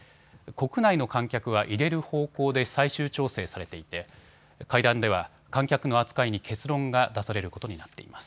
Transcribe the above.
国内の観客は入れる方向で最終調整されていて会談では観客の扱いに結論が出されることになっています。